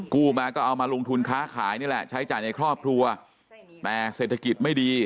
กู้มาก็เอามาลงทุนค้าขายนี่แหละใช้จ่ายในครอบครัวแต่เศรษฐกิจไม่ดี